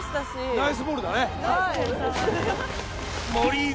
ナイスボールです。